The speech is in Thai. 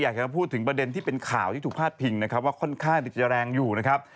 อยากจะพูดถึงประเด็นที่เป็นข่าวที่ถูกพาดพิงนะครับว่าค่อนข้างจะแรงอยู่นะครับ